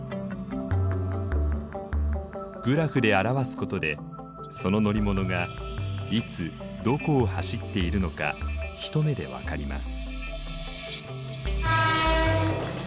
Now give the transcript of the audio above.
グラフで表すことでその乗り物がいつどこを走っているのか一目でわかります。